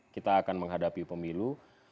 kita akan menghadapi pemilu